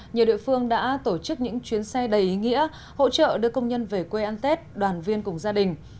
nhiều địa phương đã tổ chức những chuyến xe đầy ý nghĩa hỗ trợ đưa công nhân về quê ăn tết đoàn viên cùng gia đình